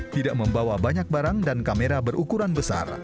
tidak membawa banyak barang dan kamera berukuran besar